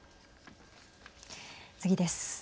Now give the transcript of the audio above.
次です。